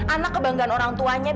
anak kebanggaan orang tuanya